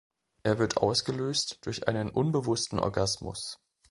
Er wird ausgelöst durch einen unbewussten Orgasmus.